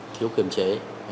thiếu kiểm chế